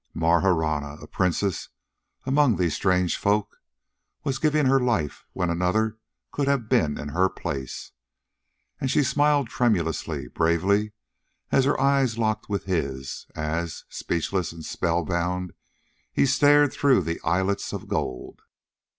Marahna a princess among these strange folk was giving her life when another could have been in her place. And she smiled tremulously, bravely, as her eyes locked with his, as, speechless and spellbound, he stared through the eyelets of gold.